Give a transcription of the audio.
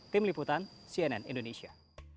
tim liputan cnn indonesia